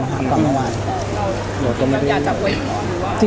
หนูก็ไม่ได้อยากจะอวยความหรือว่า